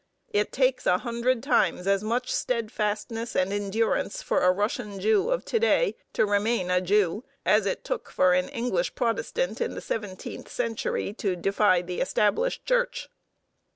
It takes a hundred times as much steadfastness and endurance for a Russian Jew of to day to remain a Jew as it took for an English Protestant in the seventeenth century to defy the established Church.